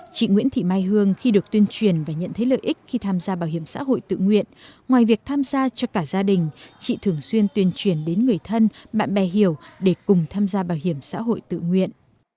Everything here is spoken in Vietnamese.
chị nguyễn thị mai hương khi được tuyên truyền và nhận thấy lợi ích khi tham gia bảo hiểm xã hội tự nguyện ngoài việc tham gia cho cả gia đình chị thường xuyên tuyên truyền đến người thân bạn bè hiểu để cùng tham gia bảo hiểm xã hội tự nguyện